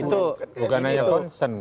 itu bukan hanya konsen